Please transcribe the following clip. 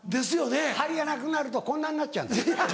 張りがなくなるとこんなになっちゃうんだ。